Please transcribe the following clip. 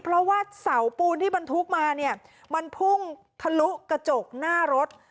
เพราะว่าเสาปูนที่บรรทุกมาเนี่ยมันพุ่งทะลุกระจกหน้ารถ